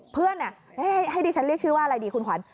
เพื่อนให้ดิฉันเรียกชื่อว่าอะไรดีคุณขวัญ